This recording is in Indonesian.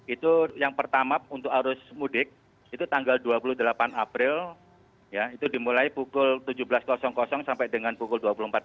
itu yang pertama untuk arus mudik itu tanggal dua puluh delapan april ya itu dimulai pukul tujuh belas sampai dengan pukul dua puluh empat